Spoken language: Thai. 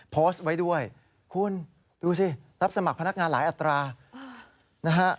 โพสต์ไว้ด้วยคุณดูสิรับสมัครพนักงานหลายอัตรานะฮะ